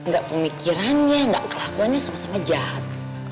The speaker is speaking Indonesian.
gak pemikirannya gak kelakuannya sama sama jahat